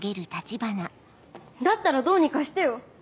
だったらどうにかしてよ。